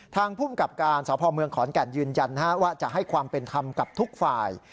ภูมิกับการสพเมืองขอนแก่นยืนยันว่าจะให้ความเป็นธรรมกับทุกฝ่าย